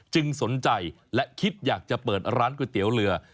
สนใจและคิดอยากจะเปิดร้านก๋วยเตี๋ยวเรือ